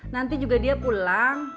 nanti juga dia pulang